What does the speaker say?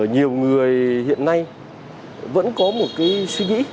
nhiều người hiện nay vẫn có một cái suy nghĩ